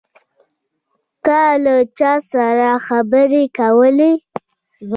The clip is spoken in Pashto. ته له چا سره خبرې کولې؟